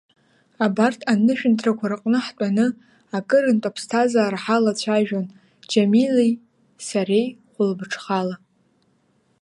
Абарҭ анышәынҭрақәа рҟны ҳтәаны акырынтә аԥсҭазаара ҳалацәажәон Џьамили сареи хәылбыҽхала…